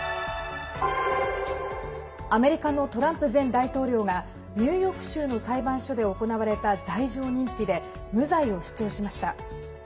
アメリカのトランプ前大統領がニューヨーク州の裁判所で行われた罪状認否で無罪を主張しました。